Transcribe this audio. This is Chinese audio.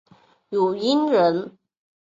汝阴人。